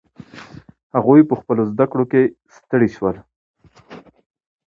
هغوی په خپلو زده کړو کې ستړي سول.